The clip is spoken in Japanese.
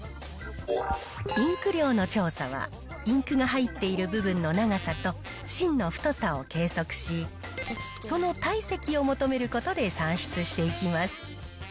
インク量の調査は、インクが入っている部分の長さと、芯の太さを計測し、その体積を求めることで算出していきます。